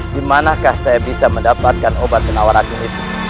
dimanakah saya bisa mendapatkan obat penawarannya